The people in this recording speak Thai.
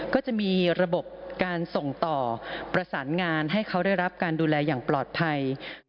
ก็จะมีระบบการส่งต่อประสานงานให้เขาได้รับการดูแลอย่างปลอดภัย